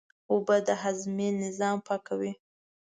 اوبه د هاضمې نظام پاکوي